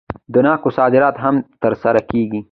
د ناکو صادرات هم ترسره کیږي.